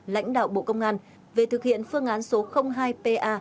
lãnh đạo bộ công an về thực hiện phương án số hai pa